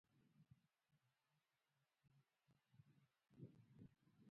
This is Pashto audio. افغانستان د دځنګل حاصلات په اړه مشهور تاریخی روایتونه لري.